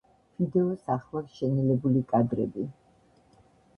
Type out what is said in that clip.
ვიდეოს ახლავს შენელებული კადრები.